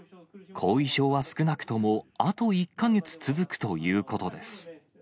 後遺症は少なくともあと１か月続くということです。